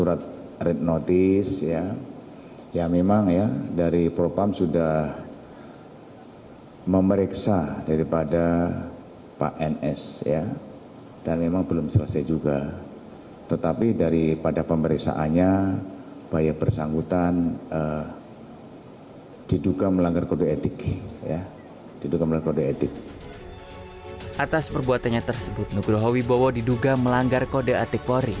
atas perbuatannya tersebut nugroho wibowo diduga melanggar kode etik pori